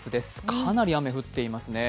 かなり雨降っていますね。